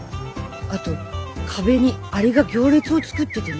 あと壁にアリが行列を作っててね。